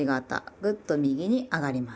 グッと右に上がります。